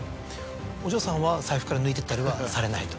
お嬢さんは財布から抜いてったりはされないと。